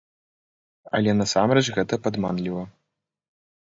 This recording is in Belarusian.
Але насамрэч гэта падманліва.